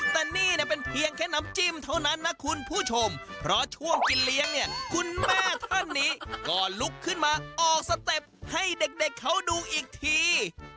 แต่นี่เป็นเพียงแค่น้ำจิ้มเท่านั้นนะคุณผู้ชมเพราะช่วงกินเลี้ยงเนี่ยคุณแม่ท่านนี้ก็ลุกขึ้นมาออกสเต็ปให้เด็กเขาดูอีกที